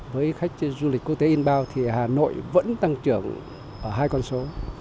với khách du lịch quốc tế inboud thì hà nội vẫn tăng trưởng ở hai con số